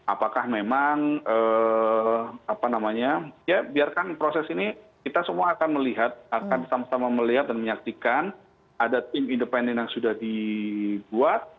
apakah memang apa namanya ya biarkan proses ini kita semua akan melihat akan sama sama melihat dan menyaksikan ada tim independen yang sudah dibuat